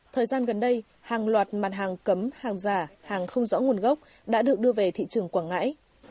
thời gian gần đây hàng loạt mặt hàng cấm hàng giả hàng không rõ nguồn gốc đã được đưa về thị trường quảng ngãi